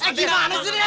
eh gimana sih ini